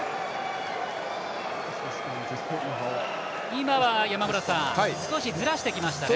今は少し、ずらしてきましたよね。